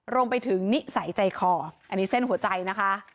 รวมไปถึงนิสัยใจคออันนี้เส้นหัวใจนะคะ